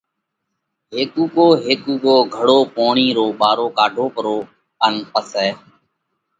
ھيڪو ھيڪو گھڙو پوڻي رو ٻارو ڪاڍو پرو ان پسئہ